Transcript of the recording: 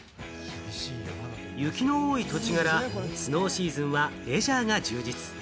雪の多い土地柄、スノーシーズンはレジャーが充実。